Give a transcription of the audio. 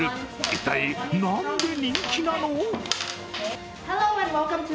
一体、何で人気なの？